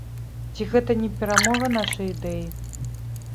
Ці гэта не перамога нашай ідэі?